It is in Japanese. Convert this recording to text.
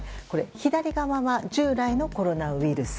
左側は従来のコロナウイルス。